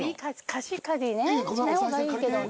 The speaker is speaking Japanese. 貸し借りねしない方がいいけどね。